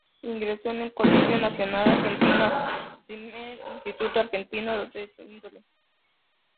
Ingresó en el Colegio Nacional Argentino, primer instituto argentino de su índole.